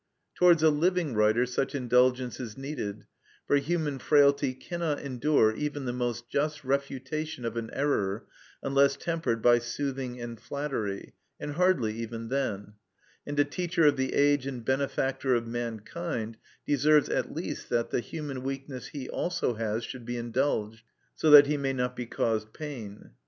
Towards a living writer such indulgence is needed, for human frailty cannot endure even the most just refutation of an error, unless tempered by soothing and flattery, and hardly even then; and a teacher of the age and benefactor of mankind deserves at least that the human weakness he also has should be indulged, so that he may not be caused pain.